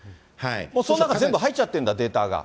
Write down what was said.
その中に全部入っちゃってるんだ、データが。